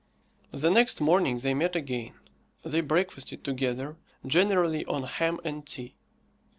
The next morning they met again. They breakfasted together, generally on ham and tea.